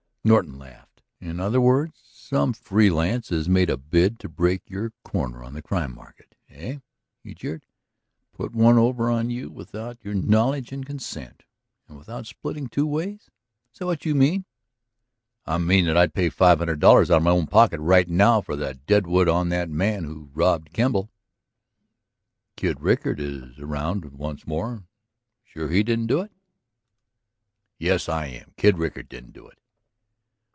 Norton laughed. "In other words, some free lance has made a bid to break your corner on the crime market, eh?" he jeered. "Put one over on you without your knowledge and consent? And without splitting two ways? That what you mean?" "I mean that I'd pay five hundred dollars out of my own pocket right now for the dead wood on the man who robbed Kemble." "Kid Rickard is around once more; sure he didn't do it?" "Yes, I am. Kid Rickard didn't do it."